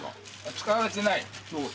使われてない。